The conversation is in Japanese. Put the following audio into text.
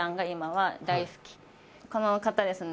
この方ですね。